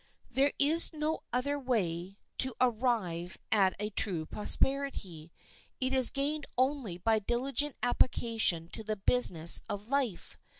There is no other way to arrive at a true prosperity. It is gained only by diligent application to the business of life.